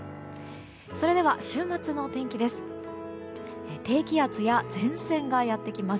それでは、週末の天気です。